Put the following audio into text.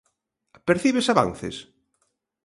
Percibes avances?